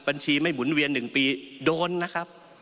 บัญชีไม่หมุนเวียน๑ปีโดนนะครับ